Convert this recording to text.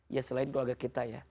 ya selain keluarga kita ya